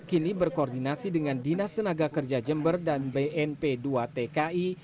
kini berkoordinasi dengan dinas tenaga kerja jember dan bnp dua tki